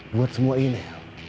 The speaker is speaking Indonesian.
buat semua ini